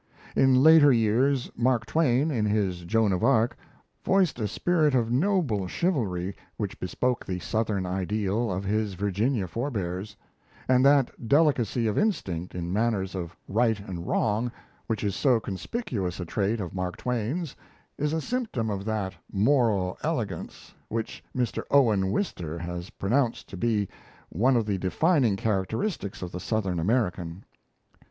In later years Mark Twain, in his 'Joan of Arc', voiced a spirit of noble chivalry which bespoke the "Southern ideal" of his Virginia forbears; and that delicacy of instinct in matters of right and wrong which is so conspicuous a trait of Mark Twain's is a symptom of that "moral elegance" which Mr. Owen Wister has pronounced to be one of the defining characteristics of the Southern American.